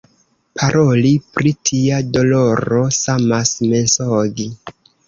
Paroli pri tia doloro samas mensogi.